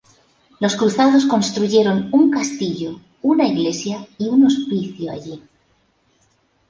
Los Cruzados construyeron un castillo, una iglesia y un hospicio allí.